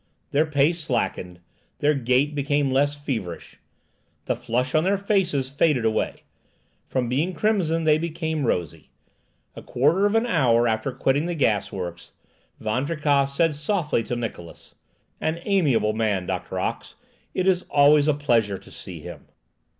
Their pace slackened, their gait became less feverish. The flush on their faces faded away; from being crimson, they became rosy. A quarter of an hour after quitting the gasworks, Van Tricasse said softly to Niklausse, "An amiable man, Doctor Ox! It is always a pleasure to see him!"